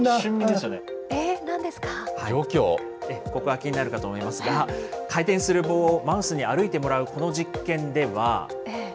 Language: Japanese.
気になるかと思いますが、回転する棒をマウスに歩いてもらうこの実験では。